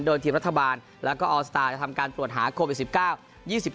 โดยทีมรัฐบาลแล้วก็ออสตาร์จะทำการตรวจหาโควิด๑๙